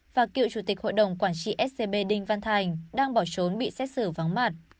và cựu chủ tịch hội đồng quản trị scb đinh văn thành đang bỏ trốn bị xét xử vắng mặt